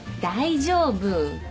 大丈夫。